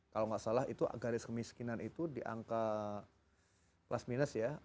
kalau nggak salah itu garis kemiskinan itu di angka plus minus ya